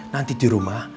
nanti di rumah